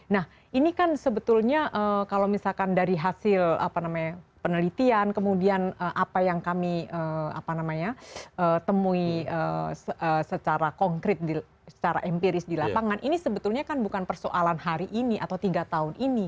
nah ini kan sebetulnya kalau misalkan dari hasil penelitian kemudian apa yang kami temui secara konkret secara empiris di lapangan ini sebetulnya kan bukan persoalan hari ini atau tiga tahun ini